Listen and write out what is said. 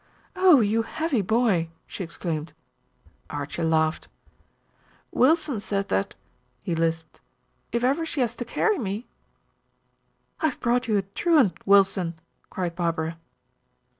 "Oh, you heavy boy!" she exclaimed. Archie laughed. "Wilson says that," he lisped, "if ever she has to carry me." "I have brought you a truant, Wilson," cried Barbara.